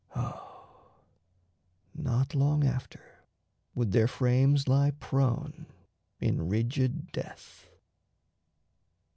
O not long after would their frames lie prone In rigid death.